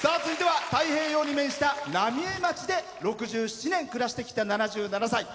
続いては太平洋に面した浪江町で６７年暮らしてきた７７歳。